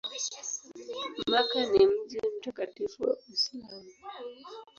Makka ni mji mtakatifu wa Uislamu.